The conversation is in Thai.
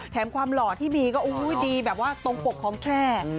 แถมความหล่อที่มีก็ดีแบบว่าตรงปกของแคร่